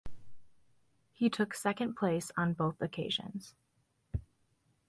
He took second place on both occasions.